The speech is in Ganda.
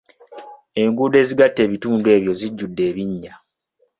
Enguudo ezigatta ebitundu ebyo zijjudde ebinnya.